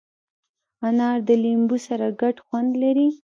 انار د لیمو سره ګډ خوند لري.